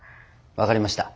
分かりました。